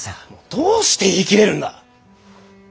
どうして言い切れるんだ？